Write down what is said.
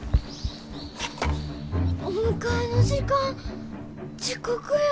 お迎えの時間遅刻や。